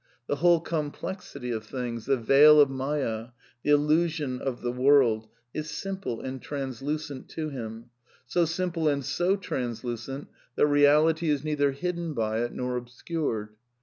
The whole complexity of things, the veil of Maya, the illusion of the world, is simple and translucent to him, so simple and so translucent that Keality is neither 280 A DEFENCE OF IDEALISM hidden by it nor obscured.